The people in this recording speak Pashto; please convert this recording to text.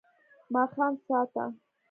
ماښام ساه ته